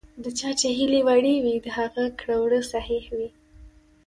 د چا چې هیلې وړې وي، د هغه کړه ـ وړه صحیح وي .